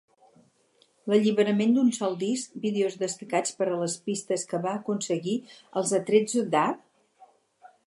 L'alliberament d'un sol disc vídeos destacats per a les pistes que va aconseguir els Atrezzo da?